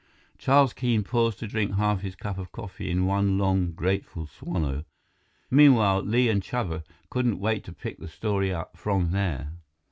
Charles Keene paused to drink half his cup of coffee in one long, grateful swallow. Meanwhile, Li and Chuba couldn't wait to pick the story up from there.